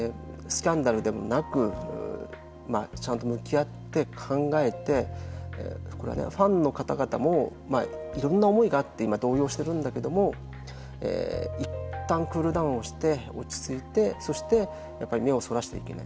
スキャンダルでもなくちゃんと向き合って考えてファンの方々もいろんな思いがあって今動揺しているんだけれどもいったんクールダウンをして落ち着いて、そしてやっぱり目をそらしてはいけない。